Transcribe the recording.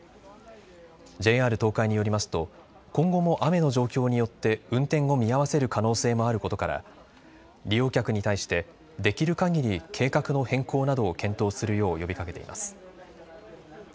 ＪＲ東海によりますと今後も雨の状況によって運転を見合わせる可能性もあることから利用客に対してできるかぎり計画の変更などを検討するよう呼びかけています。